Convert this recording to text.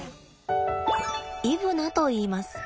イブナといいます。